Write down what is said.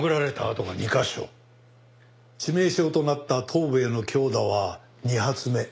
致命傷となった頭部への強打は２発目。